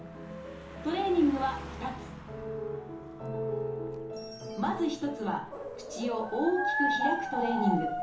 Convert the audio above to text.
トレーニングは２つまず一つは口を大きく開くトレーニング。